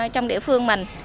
trong địa phương mình